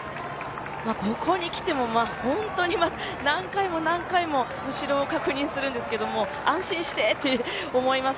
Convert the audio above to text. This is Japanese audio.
ここに来ても本当に何回も後ろを確認していますけど安心して、と思います。